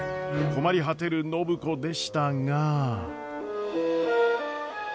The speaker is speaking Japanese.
困り果てる暢子でしたが。